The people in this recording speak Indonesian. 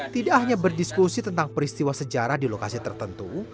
tidak hanya berdiskusi tentang peristiwa sejarah di lokasi tertentu